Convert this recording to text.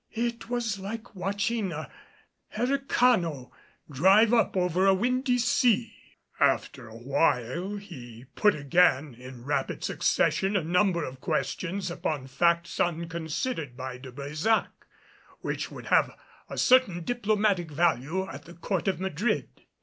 It was like watching a hericano drive up over a windy sea. After a while he put again in rapid succession a number of questions upon facts unconsidered by De Brésac, which would have a certain diplomatic value at the Court of Madrid.